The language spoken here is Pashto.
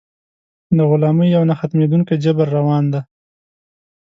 د غلامۍ یو نه ختمېدونکی جبر روان دی.